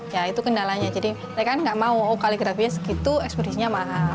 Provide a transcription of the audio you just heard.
ya itu kendalanya jadi mereka kan nggak mau oh kaligrafinya segitu ekspedisinya mahal